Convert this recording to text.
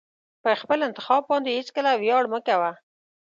په خپل انتخاب باندې هېڅکله ویاړ مه کوه.